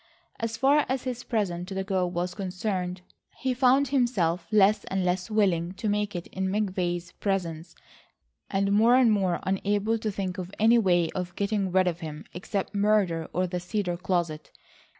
As far as his present to the girl was concerned, he found himself less and less willing to make it in McVay's presence, and more and more unable to think of any way of getting rid of him except murder or the cedar closet.